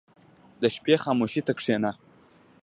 • د شپې خاموشي ته کښېنه.